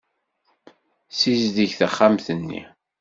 Ssizdeg taxxamt-nni.